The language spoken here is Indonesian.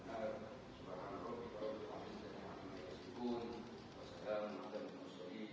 assalamualaikum warahmatullahi wabarakatuh